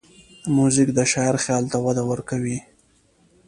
موزیک د شاعر خیال ته وده ورکوي.